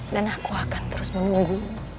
dan aku akan terus menunggu